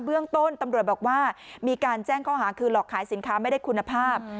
เบื้องต้นตำรวจบอกว่ามีการแจ้งข้อหาคือหลอกขายสินค้าไม่ได้คุณภาพ